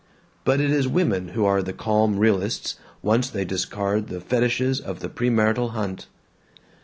But it is women who are the calm realists once they discard the fetishes of the premarital hunt.